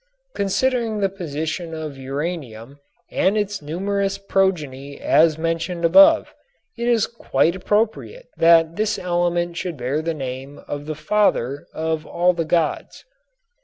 Considering the position of uranium and its numerous progeny as mentioned above, it is quite appropriate that this element should bear the name of the father of all the gods.